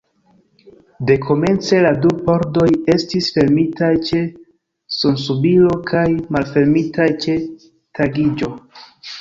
Dekomence la du pordoj estis fermitaj ĉe sunsubiro kaj malfermitaj ĉe tagiĝo.